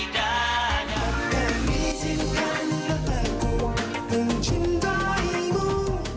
cinta gelora di dana